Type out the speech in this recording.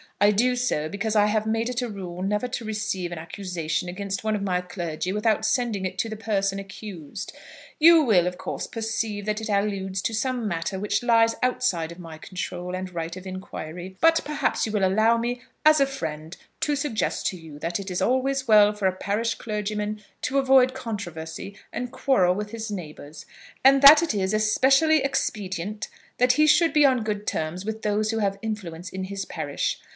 I do so because I have made it a rule never to receive an accusation against one of my clergy without sending it to the person accused. You will, of course, perceive that it alludes to some matter which lies outside of my control and right of inquiry; but perhaps you will allow me, as a friend, to suggest to you that it is always well for a parish clergyman to avoid controversy and quarrel with his neighbours; and that it is especially expedient that he should be on good terms with those who have influence in his parish.